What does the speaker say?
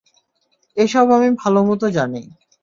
এইসব আমি ভালোমতো জানি।